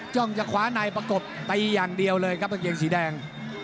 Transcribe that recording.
จ้องจะขวาในประกบตีอย่างเดียวเลยครับกางเกงสีแดง